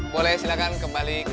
boleh silahkan kembali ke stage